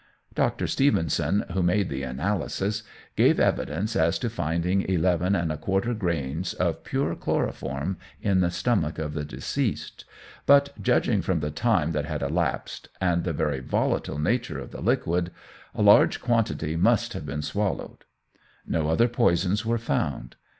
Dr. Stevenson, who made the analysis, gave evidence as to finding eleven and a quarter grains of pure chloroform in the stomach of the deceased, but, judging from the time that had elapsed and the very volatile nature of the liquid, a large quantity must have been swallowed. No other poisons were found.